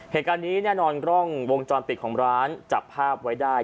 เหตุการณ์นี้แน่นอนกล้องวงจรปิดของร้านจับภาพไว้ได้